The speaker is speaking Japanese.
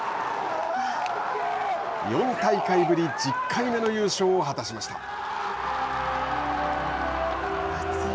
４大会ぶり、１０回目の優勝を果たしました。